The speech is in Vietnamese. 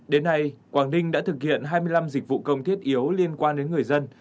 đến nay quảng ninh đã thực hiện hai mươi năm dịch vụ công thiết yếu liên quan đến người dân